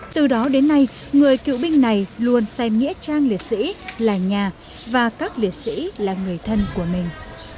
từ đó đến nay người cựu binh này luôn xem nghĩa trang liệt sĩ là nhà và các liệt sĩ là người thân của mình